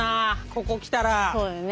ここ来たら。